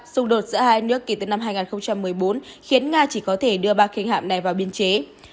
xung đột giữa hai nước kể từ năm hai nghìn một mươi bốn khiến nga chỉ có thể đưa ba khinh hạm này vào biên chế